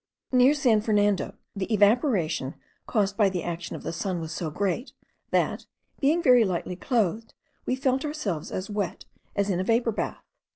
Near San Fernando the evaporation caused by the action of the sun was so great that, being very lightly clothed, we felt ourselves as wet as in a vapour bath.